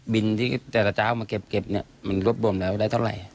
ที่แต่ละเจ้าเอามาเก็บเนี่ยมันรวบรวมแล้วได้เท่าไหร่